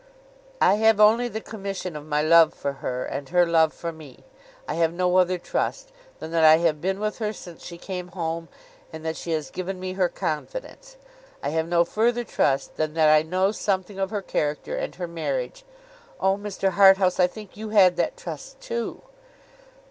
'I have only the commission of my love for her, and her love for me. I have no other trust, than that I have been with her since she came home, and that she has given me her confidence. I have no further trust, than that I know something of her character and her marriage. O Mr. Harthouse, I think you had that trust too!